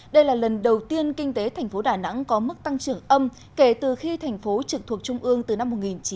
đây là lần đầu tiên kinh tế thành phố đà nẵng có mức tăng trưởng âm kể từ khi thành phố trực thuộc trung ương từ năm một nghìn chín trăm chín mươi